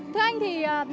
thưa anh thì